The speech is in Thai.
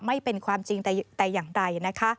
ไม่เป็นความจริงแต่อย่างใดนะคะ